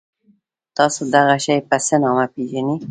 تاسو دغه شی په څه نامه پيژنی؟